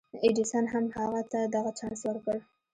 ايډېسن هم هغه ته دغه چانس ورکړ.